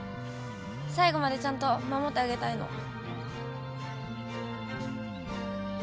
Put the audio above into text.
最後までちゃんと守ってあげたいの。